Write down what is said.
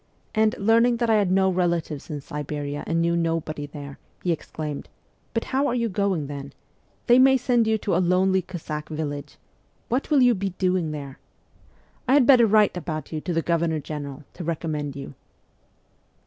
and, learning that I had no relatives in Siberia and knew nobody there, he exclaimed, ' But how are you going, then ? They may send you to a lonely Cossack village. What will you be doing there ? I had better write about you to the Governor General, to recommend you.'